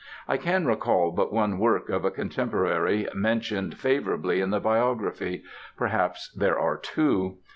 I can recall but one work of a contemporary mentioned favorably in the biography; perhaps there are two.